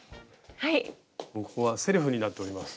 もうここはセルフになっております。